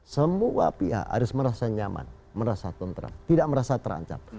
semua pihak harus merasa nyaman merasa tenteram tidak merasa terancam